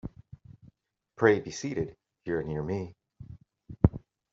Pray be seated — here near me.